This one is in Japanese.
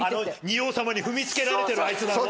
仁王様に踏みつけられてるあいつだろ？